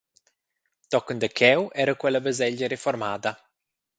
Tochen dacheu era quei la baselgia reformada.